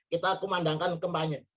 kita kemandangkan kembangnya